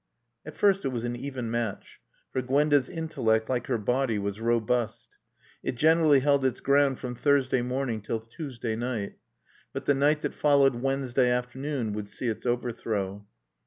At first it was an even match, for Gwenda's intellect, like her body, was robust. It generally held its ground from Thursday morning till Tuesday night. But the night that followed Wednesday afternoon would see its overthrow.